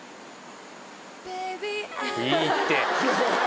いいって。